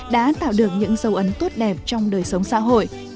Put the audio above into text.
đã tạo được những dấu ấn tốt đẹp trong đời sống xã hội